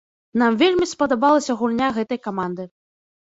Нам вельмі спадабалася гульня гэтай каманды.